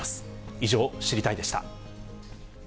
以上、知りたいッ！でした。